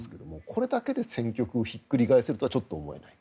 これだけで戦局をひっくり返せるとはちょっと思えない。